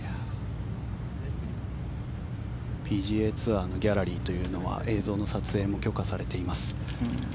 ＰＧＡツアーのギャラリーというのは映像の撮影も許可されています。